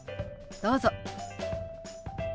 どうぞ。